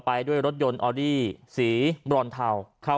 ปอล์กับโรเบิร์ตหน่อยไหมครับ